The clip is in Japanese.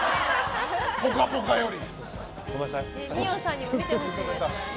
「ぽかぽか」より。